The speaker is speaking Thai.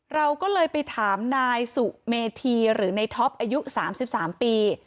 เราก็เลยไปถามนายสุเมธีหรือในท็อปอายุ๓๓ปี